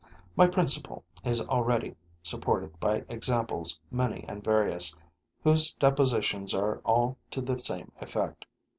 My principle is already supported by examples many and various, whose depositions are all to the same effect.